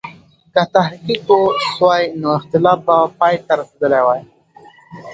که تحقیق و سوای، نو اختلاف به پای ته رسېدلی وای.